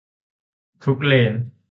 ทุกเลน